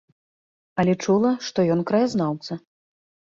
Але чула, што ён краязнаўца.